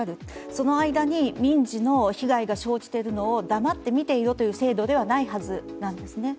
その間に民事の被害が生じているのを黙って見ていろという制度ではないはずなんですね。